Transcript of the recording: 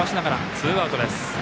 ツーアウトです。